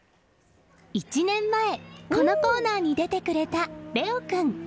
１年前、このコーナーに出てくれた令凰君。